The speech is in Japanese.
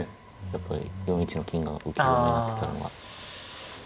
やっぱり４一の金が浮き駒になってたのが。